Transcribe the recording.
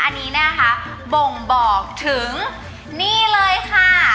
อันนี้นะคะบ่งบอกถึงนี่เลยค่ะ